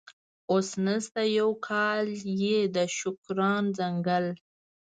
اوس نشته، یو کال یې د شوکران ځنګل.